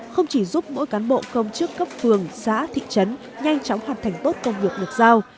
không chỉ giúp mỗi cán bộ công chức cấp phường xã thị trấn nhanh chóng hoàn thành tốt công việc được giao